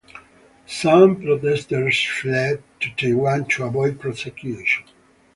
Some protesters fled to Taiwan to avoid prosecution.